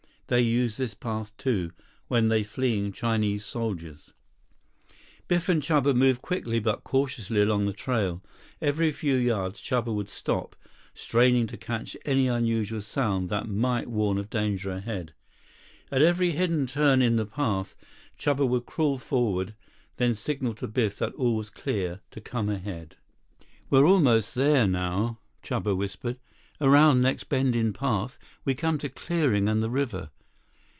They use this path too, when they fleeing Chinese soldiers." 79 Biff and Chuba moved quickly but cautiously along the trail. Every few yards, Chuba would stop, straining to catch any unusual sound that might warn of danger ahead. At every hidden turn in the path, Chuba would crawl forward, then signal to Biff that all was clear, to come ahead. "We're almost there now," Chuba whispered. "Around next bend in path, we come to clearing and the river.